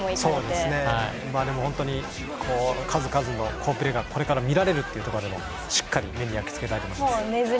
でも本当に数々の好プレーがこれから見られるというところでもしっかり目に焼き付けたいと思います。